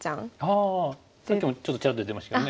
ああさっきもちょっとちらっと出てましたよね。